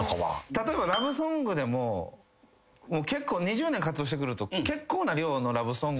例えばラブソングでも２０年活動してくると結構な量のラブソングになる。